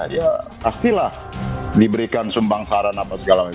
ya pastilah diberikan sumbang saran apa segala macam